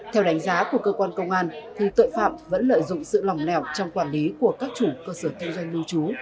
theo đánh giá của cơ quan công an tội phạm vẫn lợi dụng sự lỏng lẻo trong quản lý của các chủ cơ sở kinh doanh lưu trú